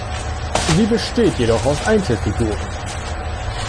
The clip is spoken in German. Sie besteht jedoch aus Einzelfiguren.